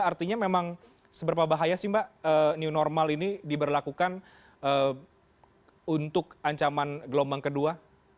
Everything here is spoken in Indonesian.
artinya memang seberapa bahaya sih mbak new normal ini diberlakukan untuk ancaman gelombang kedua